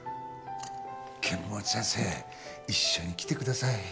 剣持先生一緒に来てください。